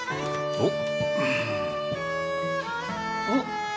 おっ。